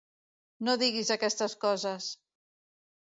No diguis aquestes coses!